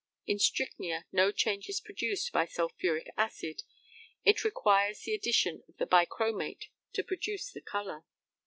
In strychnia no change is produced by sulphuric acid. It requires the addition of the bichromate to produce the colour.